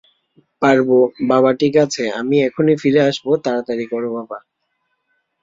পারবো, বাবা ঠিক আছে - আমি এখুনি ফিরে আসব - তাড়াতাড়ি কর বাবা।